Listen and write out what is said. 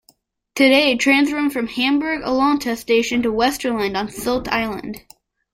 Today trains run from Hamburg-Altona station to Westerland on Sylt island.